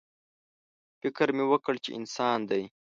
_فکر مې وکړ چې انسان دی.